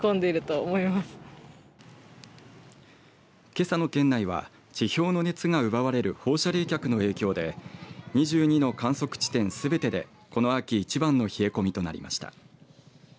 けさの県内は地表の熱が奪われる放射冷却の影響で２２の観測地点すべてでこの秋いちばんの冷え込みとなりました。